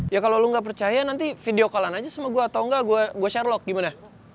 ya kalau lo gak percaya nanti video callan aja sama gue atau enggak gue share lok gimana